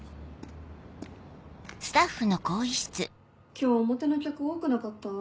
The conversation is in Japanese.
今日表の客多くなかった？